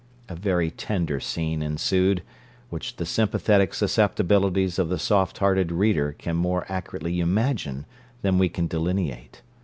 A very tender scene ensued, which the sympathetic susceptibilities of the soft hearted reader can more accurately imagine than we can delineate.